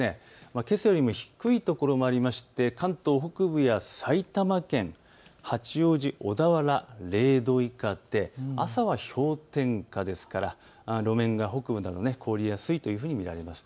けさよりも低い所もありまして関東北部や埼玉県、八王子、小田原、０度以下で朝は氷点下ですから路面が北部など凍りやすいというふうに見られます。